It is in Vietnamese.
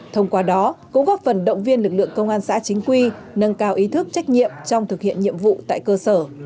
thông qua đó cũng góp phần động viên lực lượng công an xã chính quy nâng cao ý thức trách nhiệm trong thực hiện nhiệm vụ tại cơ sở